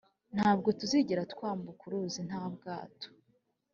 ntabwo tuzigera twambuka uruzi nta bwato.